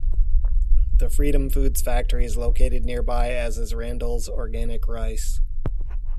The Freedom Foods Factory is located nearby as is Randall's Organic Rice.